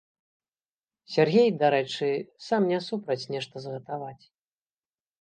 Сяргей, дарэчы, сам не супраць нешта згатаваць.